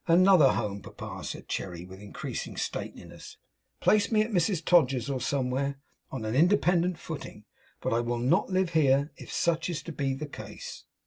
'Another home, papa,' said Cherry, with increasing stateliness 'Place me at Mrs Todgers's or somewhere, on an independent footing; but I will not live here, if such is to be the case.